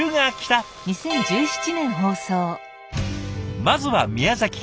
まずは宮崎県。